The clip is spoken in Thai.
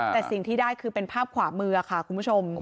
แต่สิ่งที่ได้คือเป็นภาพขวามือค่ะคุณผู้ชม